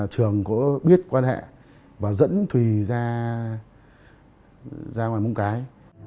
trường có biết quan hệ và dẫn thùy ra ngoài bóng cái